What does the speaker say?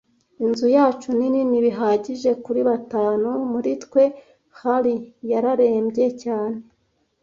Inzu yacu ni nini bihagije kuri batanu muri twe. Harry yararembye cyane.